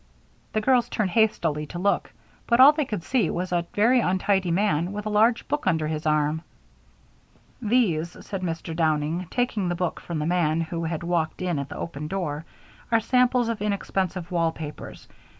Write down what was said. The girls turned hastily to look, but all they could see was a very untidy man with a large book under his arm. "These," said Mr. Downing, taking the book from the man, who had walked in at the open door, "are samples of inexpensive wall papers.